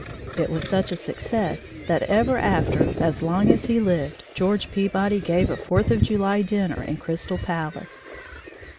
It was such a success that ever after, as long as he lived, George Peabody gave a Fourth of July dinner in Crystal Palace.